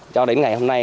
cho đến ngày hôm nay